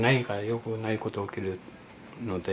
よくないこと起きるので。